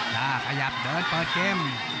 ถ้าขยับเดินเปิดเกม